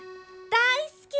大好き！